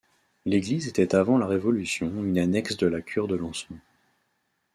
L'église était avant la Révolution une annexe de la cure de Lançon.